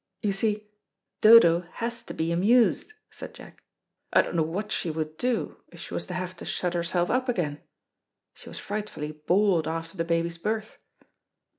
"You see Dodo has to be amused," said Jack. "I don't know what she would do, if she was to have to shut herself up again. She was frightfully bored after the baby's birth."